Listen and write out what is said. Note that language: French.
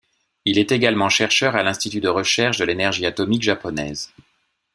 Il est également chercheur à l'institut de recherche de l'énergie atomique japonaise.